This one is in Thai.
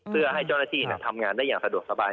เพื่อให้เจ้าหน้าที่ทำงานได้อย่างสะดวกสบาย